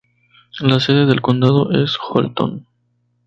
La sede del condado es Holton.